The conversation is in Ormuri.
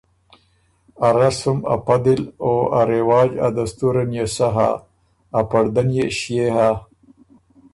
ا رسم ا پدِل او ا رواج ا دستُورن يې سۀ هۀ، ا پړدۀ ن يې ݭيې هۀ۔